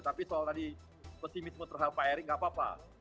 tapi soal tadi pesimisme terhadap pak erick nggak apa apa